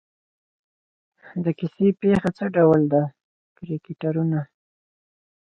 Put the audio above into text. د کیسې پېښه څه ډول ده کرکټرونه.